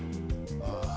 ああ。